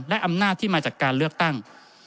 และอำนาจที่มาจากการเลือกตั้ง